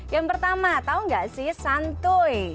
yang pertama tahu nggak sih santuy